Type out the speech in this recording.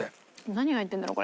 何が入ってるんだろう？